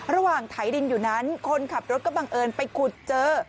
ไถดินอยู่นั้นคนขับรถก็บังเอิญไปขุดเจอ